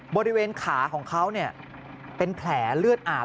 บริเวณขาของเขาเป็นแผลเลือดอาบ